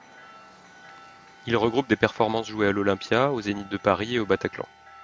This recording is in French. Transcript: Il regroupe des performances jouées à l'Olympia, au Zénith de Paris et au Bataclan.